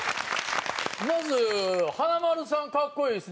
まず華丸さん格好いいですね。